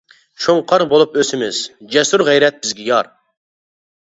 شۇڭقار بولۇپ ئۆسىمىز، جەسۇر غەيرەت بىزگە يار.